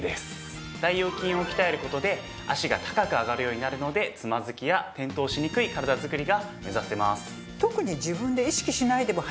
大腰筋を鍛える事で脚が高く上がるようになるのでつまずきや転倒しにくい体作りが目指せます。